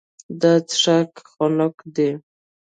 دا څښاک خنک دی.